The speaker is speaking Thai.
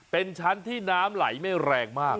เป็นชั้นที่น้ำไหลไม่แรงมาก